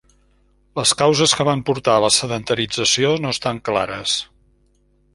Les causes que van portar a la sedentarització no estan clares.